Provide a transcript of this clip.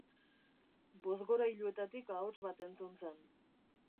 Bozgorailuetatik ahots bat entzun zen.